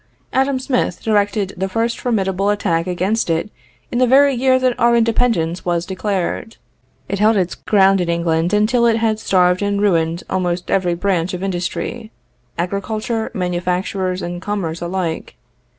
Adam Smith directed the first formidable attack against it in the very year that our independence was declared. It held its ground in England until it had starved and ruined almost every branch of industry agriculture, manufactures, and commerce alike.